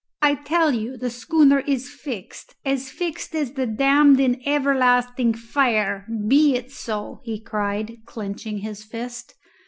I tell you the schooner is fixed as fixed as the damned in everlasting fire. Be it so!" he cried, clenching his fist.